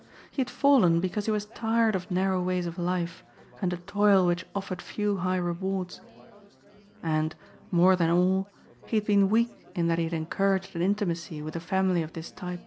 He had fallen because he was tired of narrow ways of life and a toil which offered few high rewards. And, more than all, he had been weak in that he had encouraged an intimacy with a family of this type.